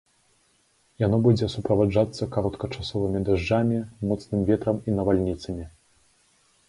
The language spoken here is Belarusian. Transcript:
Яно будзе суправаджацца кароткачасовымі дажджамі, моцным ветрам і навальніцамі.